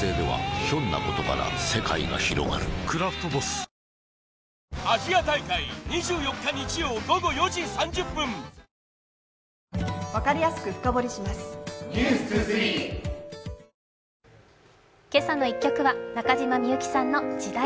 「クラフトボス」「けさの１曲」は中島みゆきさんの「時代」。